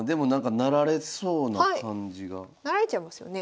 成られちゃいますよね。